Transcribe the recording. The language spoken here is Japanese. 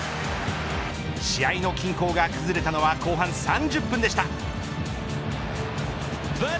試合の均衡が崩れたのは後半３０分でした。